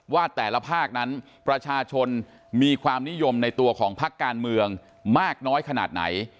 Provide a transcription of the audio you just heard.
ว่าแต่ละภาคนั้นประชาชนมีความนิยมในตัวของพักการเมืองมากน้อยขนาดไหน